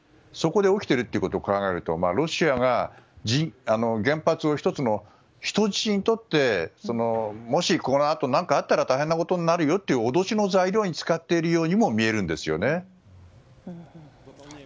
そこで起きているということを考えると、ロシアが原発を１つの人質にとってもしこのあと何かがあったら大変なことになるよと脅しの材料に使っているようにも見えるんですよね。